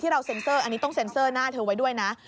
เราเซ็นเซอร์อันนี้ต้องเซ็นเซอร์หน้าเธอไว้ด้วยนะ